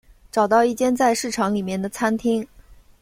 找到一间在市场里面的餐厅